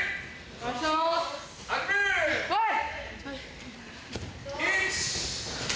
はい！